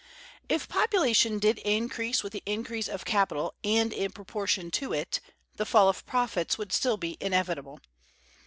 If population did increase with the increase of capital and in proportion to it, the fall of profits would still be inevitable.